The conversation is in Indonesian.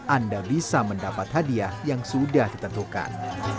anda bisa mendapat hadiah yang sudah ditentukan